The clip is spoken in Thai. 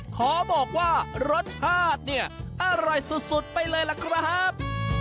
ขอบอกว่ารสชาติเนี่ยอร่อยสุดไปเลยล่ะครับ